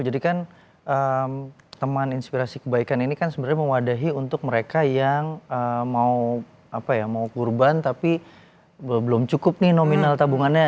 jadi kan teman inspirasi kebaikan ini kan sebenarnya mewadahi untuk mereka yang mau apa ya mau kurban tapi belum cukup nih nominal tabungannya